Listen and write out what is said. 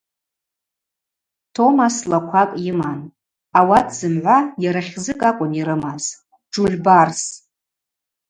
Томас лаквакӏ йыман, ауат зымгӏва йара хьзыкӏ акӏвын йрымаз – Джульбарс.